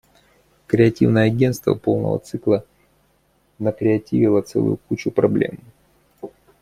Креативное агенство полного цикла накреативило целую кучу проблем.